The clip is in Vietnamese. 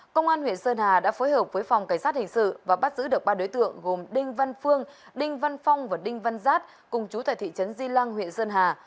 công an huyện sơn hà đã phối hợp với phòng cảnh sát hình sự và bắt giữ được ba đối tượng gồm đinh văn phương đinh văn phong và đinh văn giát cùng chú tại thị trấn di lăng huyện sơn hà